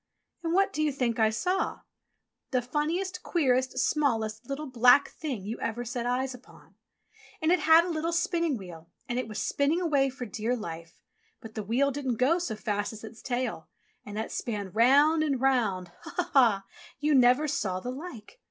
And what do you think I saw ? The funniest, queerest, smallest, little, black Thing you ever set eyes upon. And it had a little spinning wheel and it was spinning away for dear life, but the wheel didn't go so fast as its tail, and that span round and round — ho ho ha ha! — you never saw the like.